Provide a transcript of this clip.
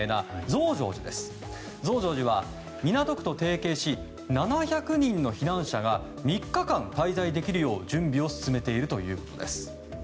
増上寺は港区と提携し７００人の避難者が３日間滞在できるよう、準備を進めているということです。